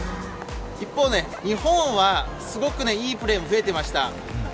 一方、日本はすごくいいプレーも増えてました。